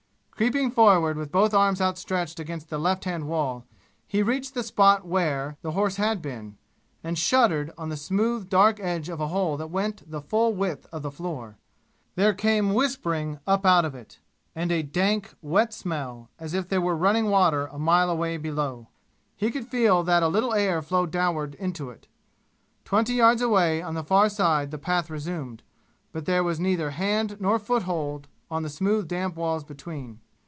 Creeping forward with both arms outstretched against the left hand wall, he reached the spot where, the horse had been, and shuddered on the smooth dark edge of a hole that went the full width of the floor. There came whispering up out of it, and a dank wet smell, as if there were running water a mile away below. He could feel that a little air flowed downward into it. Twenty yards away on the far side the path resumed, but there was neither hand nor foothold on the smooth damp walls between.